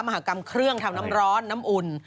มหากรรมเครื่องทำน้ำร้อนน้ำอุ่น